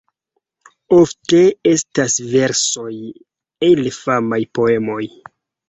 Ofte estas versoj el famaj poemoj.